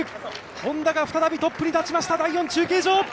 Ｈｏｎｄａが再びトップに立ちました、第４中継所。